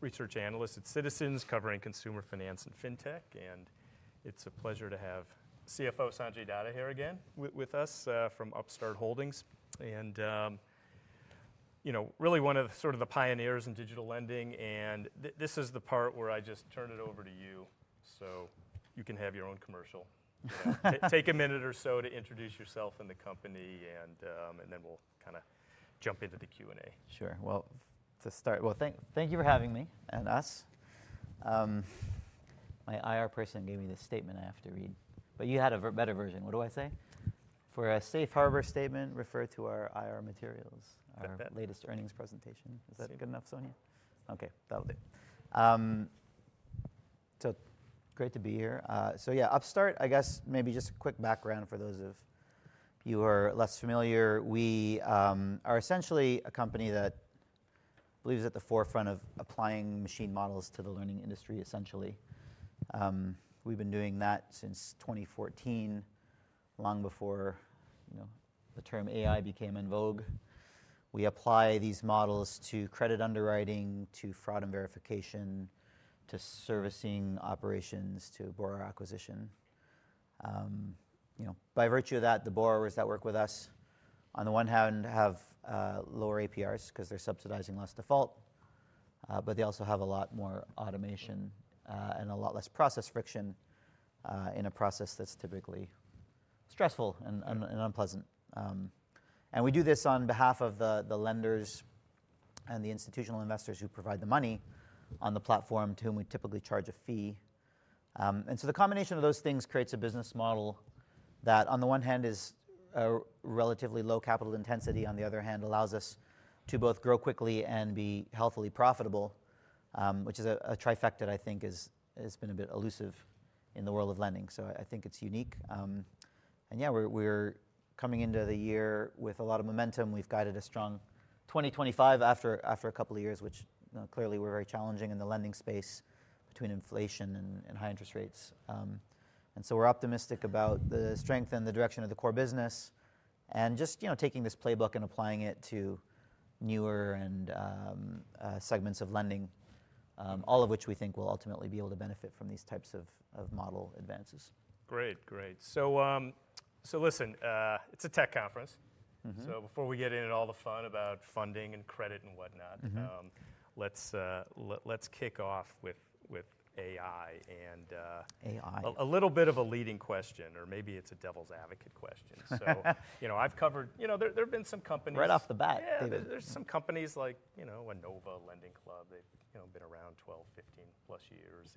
Research analyst at Citizens covering consumer finance and fintech, and it's a pleasure to have CFO Sanjay Datta here again with us from Upstart Holdings. And, you know, really one of the sort of the pioneers in digital lending. And this is the part where I just turn it over to you so you can have your own commercial. Take a minute or so to introduce yourself and the company, and then we'll kind of jump into the Q&A. Sure. Well, to start, thank you for having me and us. My IR person gave me this statement I have to read, but you had a better version. What do I say? For a safe harbor statement, refer to our IR materials, our latest earnings presentation. Is that good enough, Sonia? Okay, that'll do. So great to be here. So yeah, Upstart, I guess maybe just a quick background for those of you who are less familiar. We are essentially a company that believes at the forefront of applying machine learning models to the lending industry, essentially. We've been doing that since 2014, long before the term AI became in vogue. We apply these models to credit underwriting, to fraud and verification, to servicing operations, to borrower acquisition. By virtue of that, the borrowers that work with us, on the one hand, have lower APRs because they're subsidizing less default, but they also have a lot more automation and a lot less process friction in a process that's typically stressful and unpleasant. And we do this on behalf of the lenders and the institutional investors who provide the money on the platform, to whom we typically charge a fee. And so the combination of those things creates a business model that, on the one hand, is relatively low capital intensity, on the other hand, allows us to both grow quickly and be healthily profitable, which is a trifecta that I think has been a bit elusive in the world of lending. So I think it's unique. And yeah, we're coming into the year with a lot of momentum. We've guided a strong 2025 after a couple of years, which clearly were very challenging in the lending space between inflation and high interest rates. And so we're optimistic about the strength and the direction of the core business and just taking this playbook and applying it to newer segments of lending, all of which we think will ultimately be able to benefit from these types of model advances. Great, great. So listen, it's a tech conference. So before we get into all the fun about funding and credit and whatnot, let's kick off with AI and a little bit of a leading question, or maybe it's a devil's advocate question. So I've covered, you know, there have been some companies. Right off the bat. There's some companies like LendingClub. They've been around 12, 15 plus years.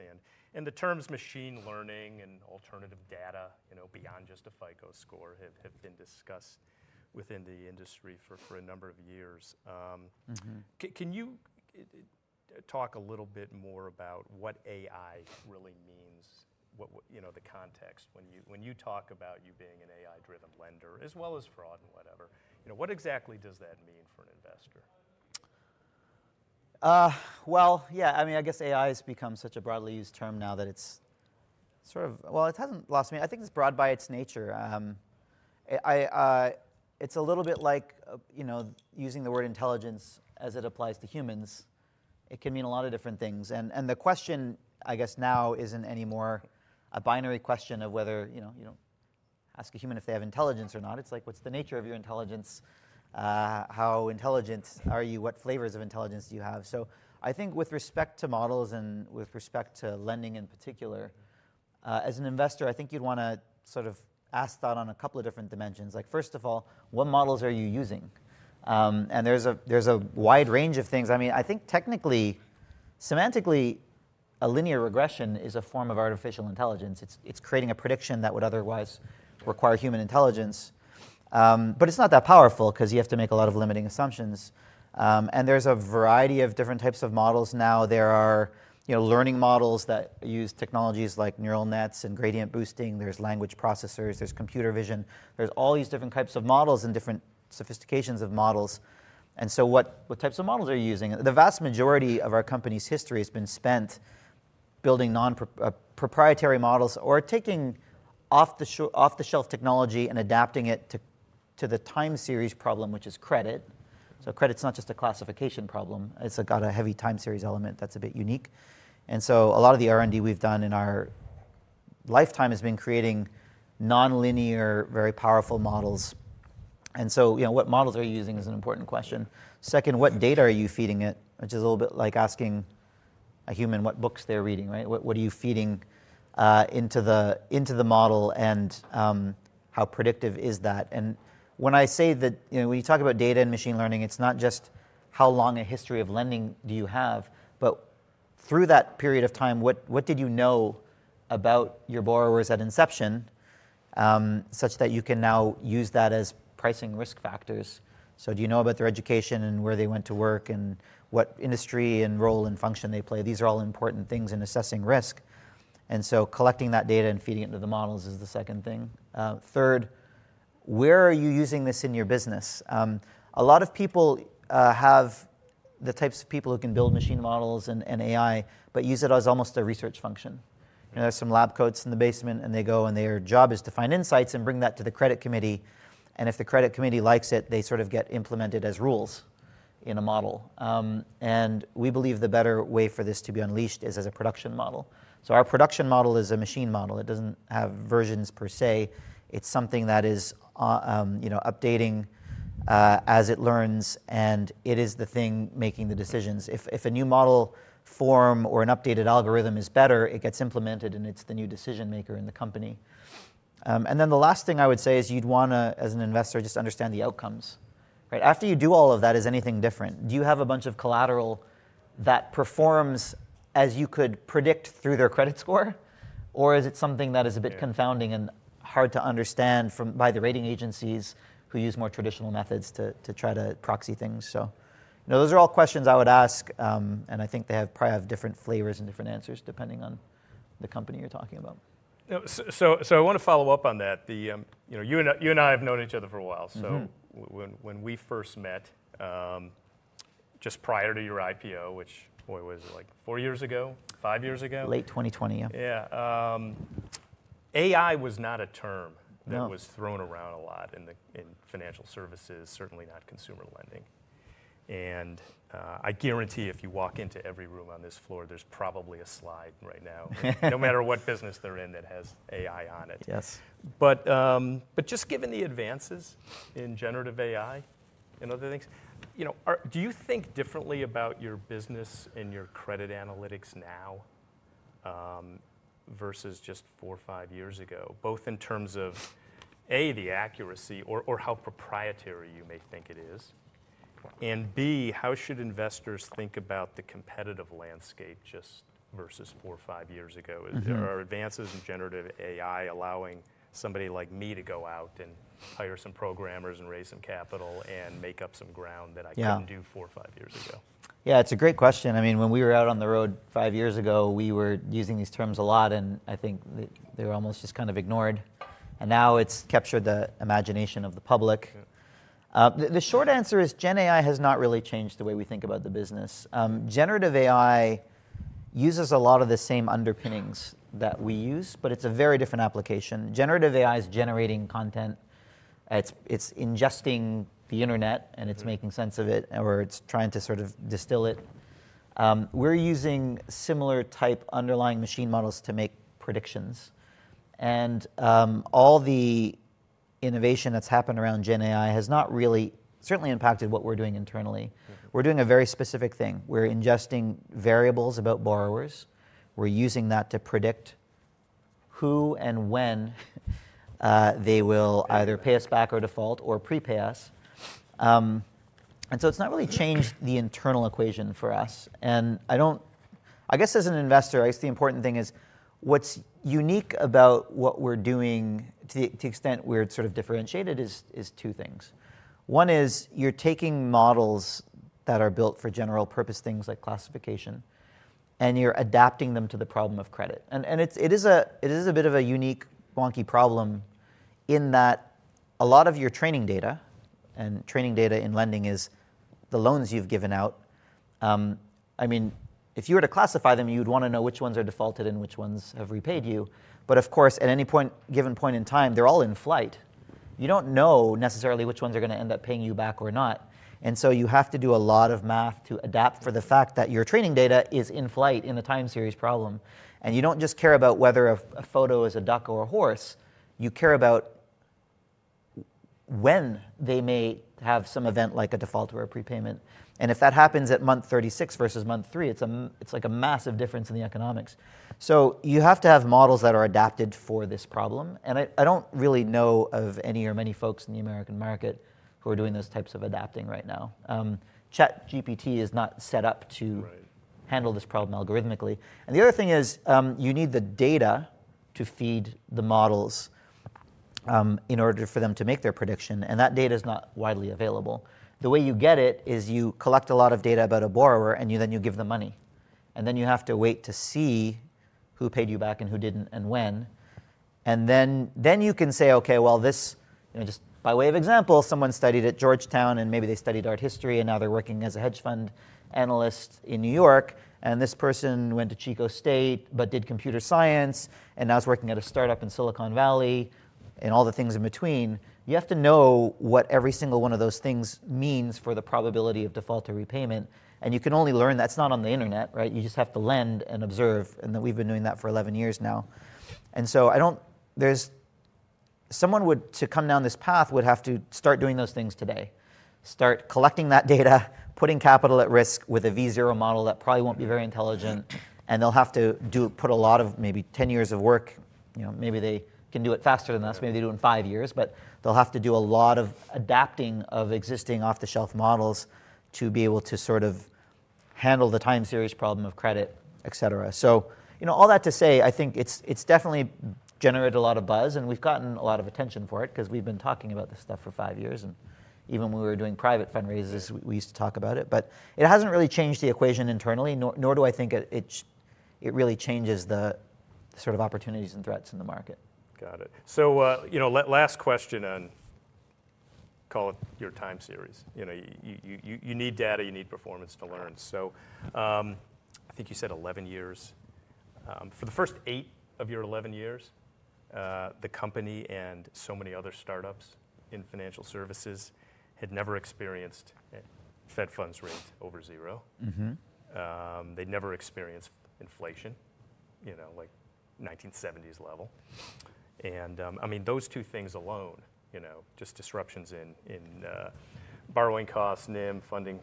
And the terms machine learning and alternative data beyond just a FICO score have been discussed within the industry for a number of years. Can you talk a little bit more about what AI really means, the context when you talk about you being an AI-driven lender as well as fraud and whatever? What exactly does that mean for an investor? Well, yeah, I mean, I guess AI has become such a broadly used term now that it's sort of, well, it hasn't lost. I mean, I think it's broad by its nature. It's a little bit like using the word intelligence as it applies to humans. It can mean a lot of different things. And the question, I guess, now isn't anymore a binary question of whether you ask a human if they have intelligence or not. It's like, what's the nature of your intelligence? How intelligent are you? What flavors of intelligence do you have? So I think with respect to models and with respect to lending in particular, as an investor, I think you'd want to sort of ask that on a couple of different dimensions. Like, first of all, what models are you using? And there's a wide range of things. I mean, I think technically, semantically, a linear regression is a form of artificial intelligence. It's creating a prediction that would otherwise require human intelligence. But it's not that powerful because you have to make a lot of limiting assumptions. And there's a variety of different types of models now. There are learning models that use technologies like neural nets and gradient boosting. There's language processors. There's computer vision. There's all these different types of models and different sophistications of models. And so what types of models are you using? The vast majority of our company's history has been spent building non-proprietary models or taking off-the-shelf technology and adapting it to the time series problem, which is credit. So credit's not just a classification problem. It's got a heavy time series element that's a bit unique. And so a lot of the R&D we've done in our lifetime has been creating non-linear, very powerful models. And so what models are you using is an important question. Second, what data are you feeding it, which is a little bit like asking a human what books they're reading, right? What are you feeding into the model and how predictive is that? And when I say that, when you talk about data and machine learning, it's not just how long a history of lending do you have, but through that period of time, what did you know about your borrowers at inception such that you can now use that as pricing risk factors? So do you know about their education and where they went to work and what industry and role and function they play? These are all important things in assessing risk. And so collecting that data and feeding it into the models is the second thing. Third, where are you using this in your business? A lot of people have the types of people who can build machine models and AI, but use it as almost a research function. There's some lab coats in the basement, and they go, and their job is to find insights and bring that to the credit committee. And if the credit committee likes it, they sort of get implemented as rules in a model. And we believe the better way for this to be unleashed is as a production model. So our production model is a machine model. It doesn't have versions per se. It's something that is updating as it learns, and it is the thing making the decisions. If a new model form or an updated algorithm is better, it gets implemented, and it's the new decision maker in the company, and then the last thing I would say is you'd want to, as an investor, just understand the outcomes. After you do all of that, is anything different? Do you have a bunch of collateral that performs as you could predict through their credit score, or is it something that is a bit confounding and hard to understand by the rating agencies who use more traditional methods to try to proxy things, so those are all questions I would ask, and I think they probably have different flavors and different answers depending on the company you're talking about. So I want to follow up on that. You and I have known each other for a while. So when we first met, just prior to your IPO, which, boy, was it like four years ago, five years ago? Late 2020, yeah. Yeah. AI was not a term that was thrown around a lot in financial services, certainly not consumer lending. And I guarantee if you walk into every room on this floor, there's probably a slide right now, no matter what business they're in that has AI on it. Yes But just given the advances in generative AI and other things, do you think differently about your business and your credit analytics now versus just four or five years ago, both in terms of, A, the accuracy or how proprietary you may think it is, and B, how should investors think about the competitive landscape just versus four or five years ago? Are advances in generative AI allowing somebody like me to go out and hire some programmers and raise some capital and make up some ground that I couldn't do four or five years ago? Yeah, it's a great question. I mean, when we were out on the road five years ago, we were using these terms a lot, and I think they were almost just kind of ignored. And now it's captured the imagination of the public. The short answer is Gen AI has not really changed the way we think about the business. Generative AI uses a lot of the same underpinnings that we use, but it's a very different application. Generative AI is generating content. It's ingesting the internet, and it's making sense of it, or it's trying to sort of distill it. We're using similar type underlying machine models to make predictions. And all the innovation that's happened around Gen AI has not really certainly impacted what we're doing internally. We're doing a very specific thing. We're ingesting variables about borrowers. We're using that to predict who and when they will either pay us back or default or prepay us, and so it's not really changed the internal equation for us, and I guess as an investor, the important thing is what's unique about what we're doing to the extent we're sort of differentiated is two things. One is you're taking models that are built for general purpose things like classification, and you're adapting them to the problem of credit, and it is a bit of a unique, wonky problem in that a lot of your training data and training data in lending is the loans you've given out. I mean, if you were to classify them, you'd want to know which ones are defaulted and which ones have repaid you, but of course, at any given point in time, they're all in flight. You don't know necessarily which ones are going to end up paying you back or not. And so you have to do a lot of math to adapt for the fact that your training data is in flight in a time series problem. And you don't just care about whether a photo is a duck or a horse. You care about when they may have some event like a default or a prepayment. And if that happens at month 36 versus month 3, it's like a massive difference in the economics. So you have to have models that are adapted for this problem. And I don't really know of any or many folks in the American market who are doing those types of adapting right now. ChatGPT is not set up to handle this problem algorithmically. And the other thing is you need the data to feed the models in order for them to make their prediction. And that data is not widely available. The way you get it is you collect a lot of data about a borrower, and then you give them money. And then you have to wait to see who paid you back and who didn't and when. And then you can say, okay, well, just by way of example, someone studied at Georgetown, and maybe they studied art history, and now they're working as a hedge fund analyst in New York. And this person went to Chico State but did computer science, and now is working at a startup in Silicon Valley and all the things in between. You have to know what every single one of those things means for the probability of default or repayment. You can only learn that's not on the internet, right? You just have to lend and observe. We've been doing that for 11 years now. So someone to come down this path would have to start doing those things today, start collecting that data, putting capital at risk with a V0 model that probably won't be very intelligent. They'll have to put a lot of maybe 10 years of work. Maybe they can do it faster than us. Maybe they do it in five years. They'll have to do a lot of adapting of existing off-the-shelf models to be able to sort of handle the time series problem of credit, et cetera. All that to say, I think it's definitely generated a lot of buzz, and we've gotten a lot of attention for it because we've been talking about this stuff for five years. And even when we were doing private fundraisers, we used to talk about it. But it hasn't really changed the equation internally, nor do I think it really changes the sort of opportunities and threats in the market. Got it. So last question on, call it your time series. You need data. You need performance to learn. So I think you said 11 years. For the first eight of your 11 years, the company and so many other startups in financial services had never experienced Fed funds rate over zero. They'd never experienced inflation like 1970s level. And I mean, those two things alone, just disruptions in borrowing costs, NIM, funding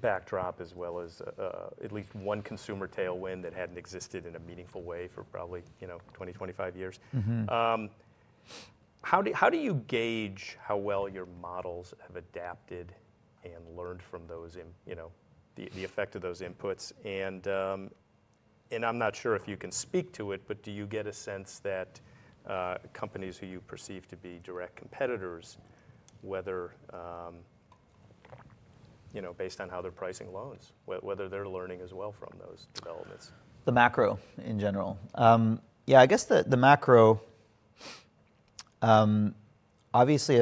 backdrop, as well as at least one consumer tailwind that hadn't existed in a meaningful way for probably 20-25 years. How do you gauge how well your models have adapted and learned from the effect of those inputs? I'm not sure if you can speak to it, but do you get a sense that companies who you perceive to be direct competitors, whether based on how they're pricing loans, whether they're learning as well from those developments? The macro in general. Yeah, I guess the macro, obviously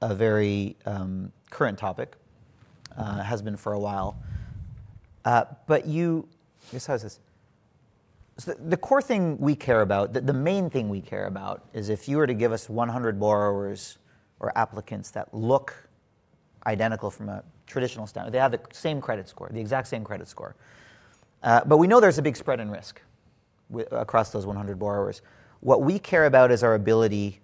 a very current topic, has been for a while. But I guess how is this? The core thing we care about, the main thing we care about is if you were to give us 100 borrowers or applicants that look identical from a traditional standard, they have the same credit score, the exact same credit score. But we know there's a big spread in risk across those 100 borrowers. What we care about is our ability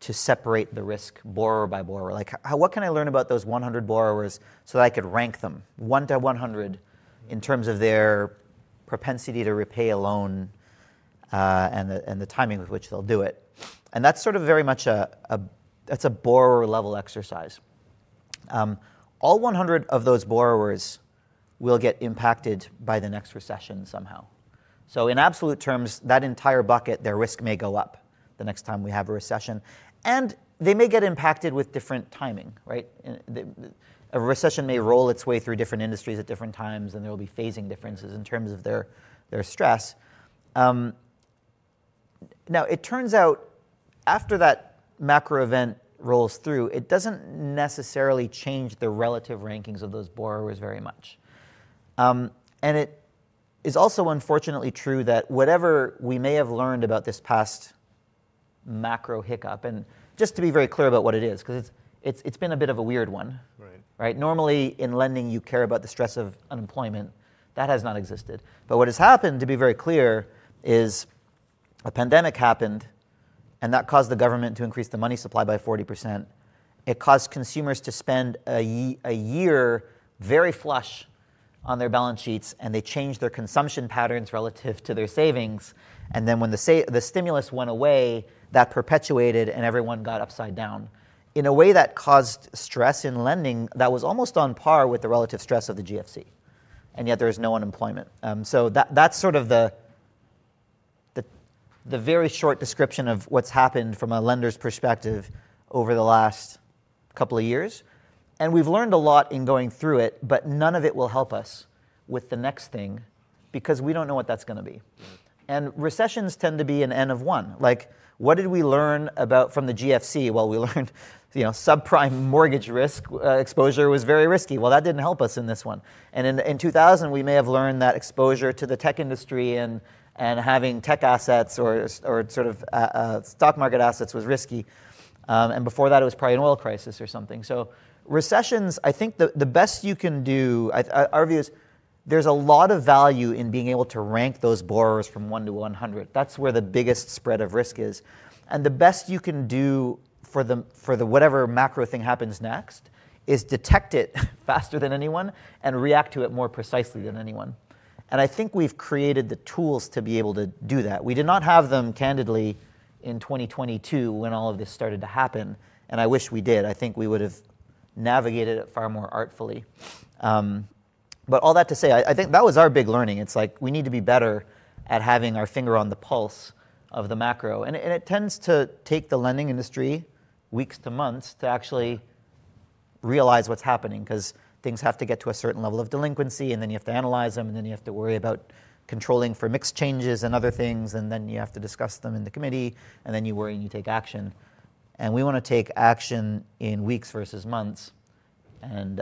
to separate the risk borrower by borrower. What can I learn about those 100 borrowers so that I could rank them one to 100 in terms of their propensity to repay a loan and the timing with which they'll do it? And that's sort of very much a borrower-level exercise. All 100 of those borrowers will get impacted by the next recession somehow. In absolute terms, that entire bucket, their risk may go up the next time we have a recession. And they may get impacted with different timing, right? A recession may roll its way through different industries at different times, and there will be phasing differences in terms of their stress. Now, it turns out after that macro event rolls through, it doesn't necessarily change the relative rankings of those borrowers very much. And it is also unfortunately true that whatever we may have learned about this past macro hiccup, and just to be very clear about what it is, because it's been a bit of a weird one, right? Normally in lending, you care about the stress of unemployment. That has not existed. But what has happened, to be very clear, is a pandemic happened, and that caused the government to increase the money supply by 40%. It caused consumers to spend a year very flush on their balance sheets, and they changed their consumption patterns relative to their savings, and then when the stimulus went away, that perpetuated, and everyone got upside down in a way that caused stress in lending that was almost on par with the relative stress of the GFC, and yet there is no unemployment, so that's sort of the very short description of what's happened from a lender's perspective over the last couple of years, and we've learned a lot in going through it, but none of it will help us with the next thing because we don't know what that's going to be, and recessions tend to be an N of one, like what did we learn from the GFC, well we learned subprime mortgage risk exposure was very risky, well that didn't help us in this one. And in 2000, we may have learned that exposure to the tech industry and having tech assets or sort of stock market assets was risky. And before that, it was probably an oil crisis or something. So recessions, I think the best you can do, our view is there's a lot of value in being able to rank those borrowers from one to 100. That's where the biggest spread of risk is. And the best you can do for whatever macro thing happens next is detect it faster than anyone and react to it more precisely than anyone. And I think we've created the tools to be able to do that. We did not have them, candidly, in 2022 when all of this started to happen. And I wish we did. I think we would have navigated it far more artfully. But all that to say, I think that was our big learning. It's like we need to be better at having our finger on the pulse of the macro. And it tends to take the lending industry weeks to months to actually realize what's happening because things have to get to a certain level of delinquency, and then you have to analyze them, and then you have to worry about controlling for mixed changes and other things, and then you have to discuss them in the committee, and then you worry and you take action. And we want to take action in weeks versus months. And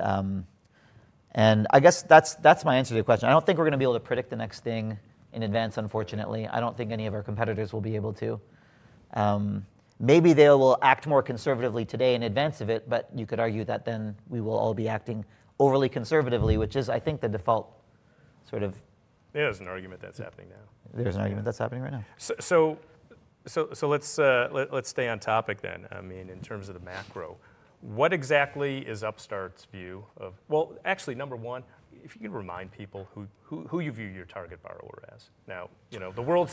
I guess that's my answer to your question. I don't think we're going to be able to predict the next thing in advance, unfortunately. I don't think any of our competitors will be able to. Maybe they will act more conservatively today in advance of it, but you could argue that then we will all be acting overly conservatively, which is, I think, the default sort of. There's an argument that's happening now. There's an argument that's happening right now. Let's stay on topic then. I mean, in terms of the macro, what exactly is Upstart's view of, well, actually, number one, if you could remind people who you view your target borrower as. Now, even though the world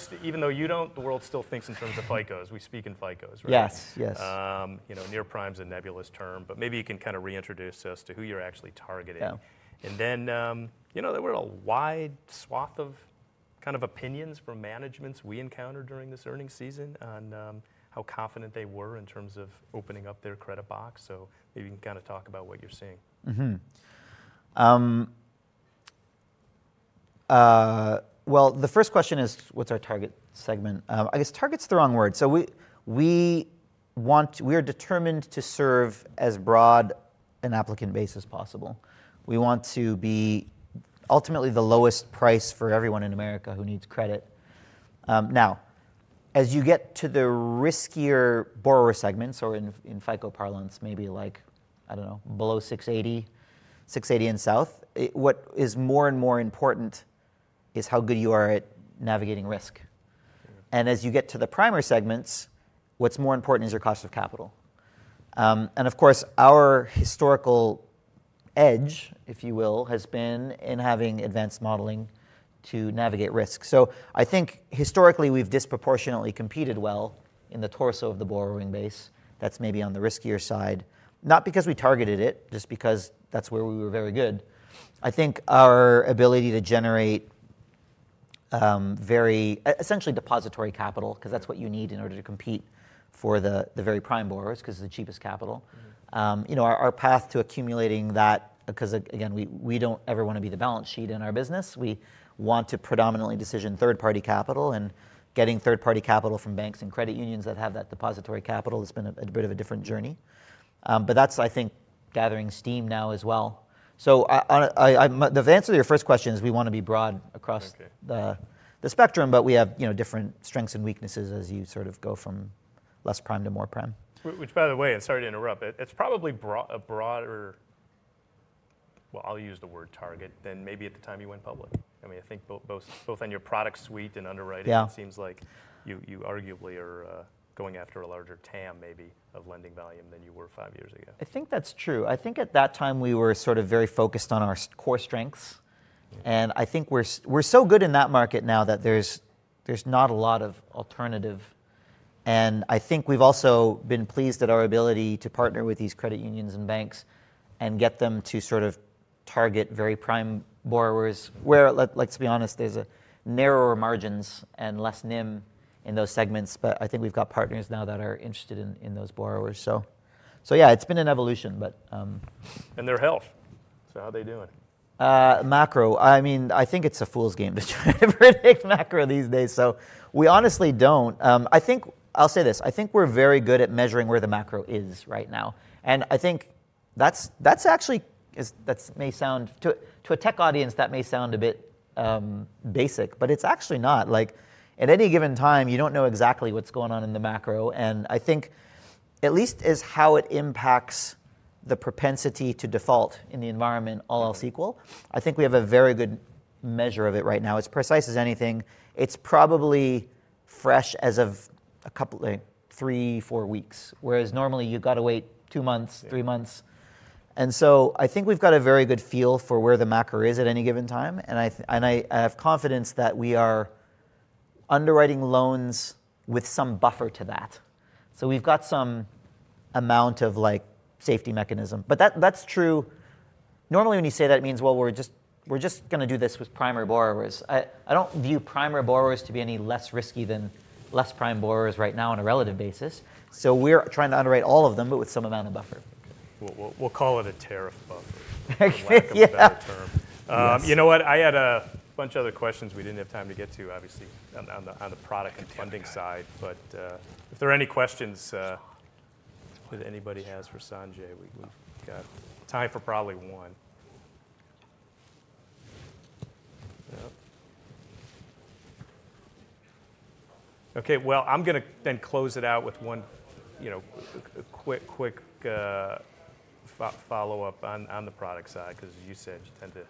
still thinks in terms of FICOs, we speak in FICOs, right? Yes, yes. Near prime's a nebulous term, but maybe you can kind of reintroduce us to who you're actually targeting. And then there were a wide swath of kind of opinions from managements we encountered during this earnings season on how confident they were in terms of opening up their credit box. So maybe you can kind of talk about what you're seeing. The first question is, what's our target segment? I guess target's the wrong word. We are determined to serve as broad an applicant base as possible. We want to be ultimately the lowest price for everyone in America who needs credit. Now, as you get to the riskier borrower segments, or in FICO parlance, maybe like, I don't know, below 680, 680 and south, what is more and more important is how good you are at navigating risk. And as you get to the prime segments, what's more important is your cost of capital. And of course, our historical edge, if you will, has been in having advanced modeling to navigate risk. I think historically we've disproportionately competed well in the torso of the borrowing base. That's maybe on the riskier side, not because we targeted it, just because that's where we were very good. I think our ability to generate very essentially depository capital, because that's what you need in order to compete for the very prime borrowers, because it's the cheapest capital, our path to accumulating that, because again, we don't ever want to be the balance sheet in our business. We want to predominantly decision third-party capital. And getting third-party capital from banks and credit unions that have that depository capital, it's been a bit of a different journey. But that's, I think, gathering steam now as well. So the answer to your first question is we want to be broad across the spectrum, but we have different strengths and weaknesses as you sort of go from less prime to more prime. Which, by the way, sorry to interrupt, it's probably a broader, well, I'll use the word target than maybe at the time you went public. I mean, I think both on your product suite and underwriting, it seems like you arguably are going after a larger TAM, maybe, of lending volume than you were five years ago. I think that's true. I think at that time we were sort of very focused on our core strengths, and I think we're so good in that market now that there's not a lot of alternative, and I think we've also been pleased at our ability to partner with these credit unions and banks and get them to sort of target very prime borrowers, where let's be honest, there's narrower margins and less NIM in those segments, but I think we've got partners now that are interested in those borrowers, so yeah, it's been an evolution, but. And their health. So how are they doing? Macro. I mean, I think it's a fool's game to try to predict macro these days, so we honestly don't. I think I'll say this. I think we're very good at measuring where the macro is right now, and I think that may sound to a tech audience a bit basic, but it's actually not. At any given time, you don't know exactly what's going on in the macro, and I think at least as how it impacts the propensity to default in the environment, all else equal, we have a very good measure of it right now. It's precise as anything. It's probably fresh as of three, four weeks, whereas normally you've got to wait two months, three months, so I think we've got a very good feel for where the macro is at any given time. And I have confidence that we are underwriting loans with some buffer to that. So we've got some amount of safety mechanism. But that's true. Normally when you say that means, well, we're just going to do this with prime borrowers. I don't view prime borrowers to be any less risky than less prime borrowers right now on a relative basis. So we're trying to underwrite all of them, but with some amount of buffer. We'll call it a tariff buffer. Okay. I like that term. You know what? I had a bunch of other questions we didn't have time to get to, obviously, on the product and funding side. But if there are any questions that anybody has for Sanjay, we've got time for probably one. Okay. Well, I'm going to then close it out with a quick follow-up on the product side, because as you said, you tend to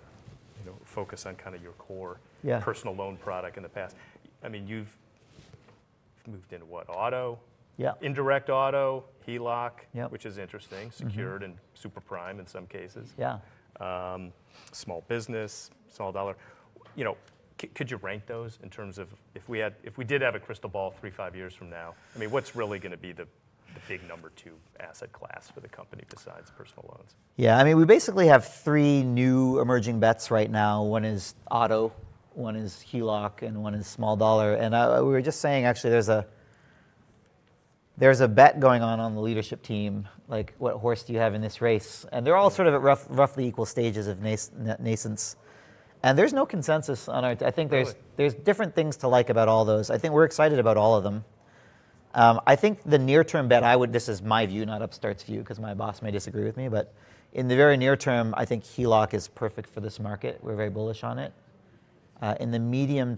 focus on kind of your core personal loan product in the past. I mean, you've moved into what, auto? Yeah. Indirect auto, HELOC, which is interesting, secured and super prime in some cases, small business, small dollar. Could you rank those in terms of if we did have a crystal ball three, five years from now? I mean, what's really going to be the big number two asset class for the company besides personal loans? Yeah. I mean, we basically have three new emerging bets right now. One is auto, one is HELOC, and one is small dollar, and we were just saying, actually, there's a bet going on on the leadership team, like what horse do you have in this race? They're all sort of at roughly equal stages of nascence. There's no consensus on ours. I think there's different things to like about all those. I think we're excited about all of them. I think the near-term bet, this is my view, not Upstart's view, because my boss may disagree with me, but in the very near term, I think HELOC is perfect for this market. We're very bullish on it. In the medium.